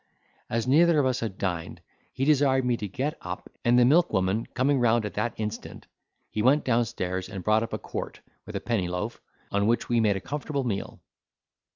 As neither of us had dined, he desired me to get up, and the milkwoman coming round at that instant, he went downstairs, and brought up a quart, with a penny loaf, on which we made a comfortable meal.